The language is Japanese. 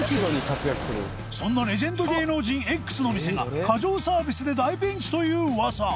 そんなレジェンド芸能人 Ｘ の店が過剰サービスで大ピンチという噂